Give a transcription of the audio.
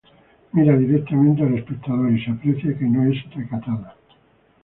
Mira directamente al espectador y se aprecia que no es recatada.